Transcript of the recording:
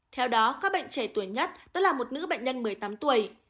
theo đó các bệnh trẻ tuổi nhất đó là một nữ bệnh nhân một mươi tám tuổi